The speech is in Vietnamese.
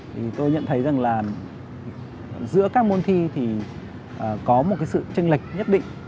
thì tôi nhận thấy rằng là giữa các môn thi thì có một cái sự tranh lệch nhất định